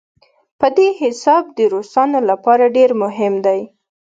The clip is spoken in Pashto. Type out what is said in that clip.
په دې حساب د روسانو لپاره ډېر مهم دی.